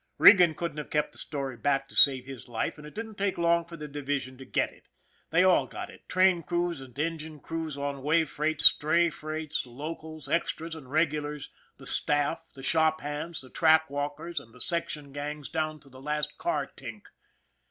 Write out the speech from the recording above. Regan couldn't have kept the story back to save his life, and it didn't take long for the division to get it. They all got it train crews and engine crews on way freights, stray freights, locals, extras and regulars, the staff, the shop hands, the track walkers and the section gangs down to the last car tink.